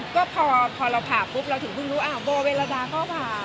ก็พอเราผ่าปุ๊บเราถึงเพิ่งรู้โบเวลดาก็ผ่า